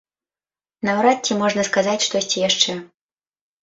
Наўрад ці можна сказаць штосьці яшчэ.